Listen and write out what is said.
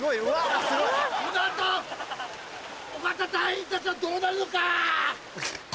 尾形隊員たちはどうなるのか！